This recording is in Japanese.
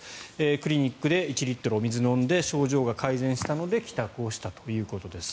クリニックで１リットル水を飲んで症状が改善したので帰宅をしたということです。